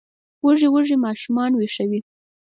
وږي وږي ماشومان ویښوي